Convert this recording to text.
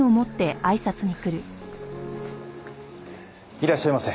いらっしゃいませ。